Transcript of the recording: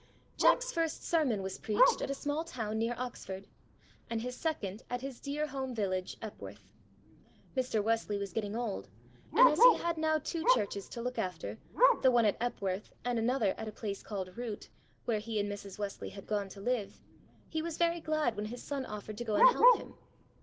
Jack's first sermon was preached at a small town near Oxford, and his second at his dear home village, Epworth. Mr. Wesley was getting old, and as he had now two churches to look after, the one at Epworth and another at a place called Wroote, where he and Mrs. Wesley had gone to live, he was very glad when his son offered to go and help him.